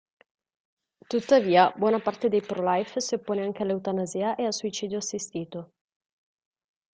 Tuttavia, buona parte dei pro-life si oppone anche all'eutanasia e al suicidio assistito.